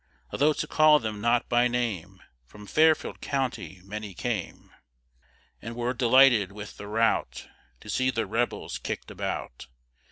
Although to call them not by name, From Fairfield county many came; And were delighted with the rout, To see the rebels kick'd about.